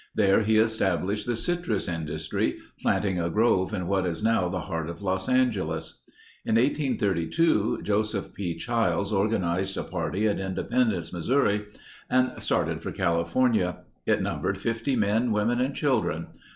There he established the citrus industry, planting a grove in what is now the heart of Los Angeles. In 1832 Joseph B. Chiles organized a party at Independence, Missouri, and started for California. It numbered 50 men, women, and children.